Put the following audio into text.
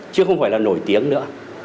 chứ không phải là nổi tiếng nữa